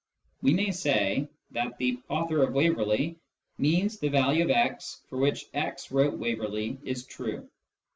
We may say that " the author of Waverley " means " the value of x for which ' x wrote Descriptions 177 Waverley' is true."